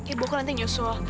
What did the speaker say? ibu aku nanti nyusul